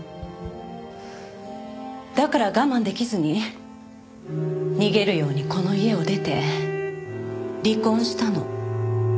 だから我慢できずに逃げるようにこの家を出て離婚したの。